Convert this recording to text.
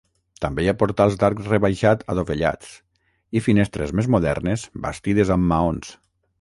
També hi ha portals d'arc rebaixat adovellats i finestres més modernes bastides amb maons.